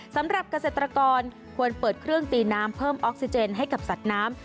สำหรับเกษตรกรควรเปิดเครื่องตีน้ำเพิ่มออกซิเจนให้กับสัตว์น้ำ